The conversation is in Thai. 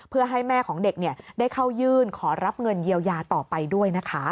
เพื่อให้แม่ของเด็กได้เข้ายื่นขอรับเงินเยียวยาต่อไปด้วยนะคะ